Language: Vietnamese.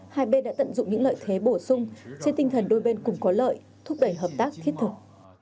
hai bên đã tận dụng những lợi thế bổ sung trên tinh thần đôi bên cùng có lợi thúc đẩy hợp tác thiết thực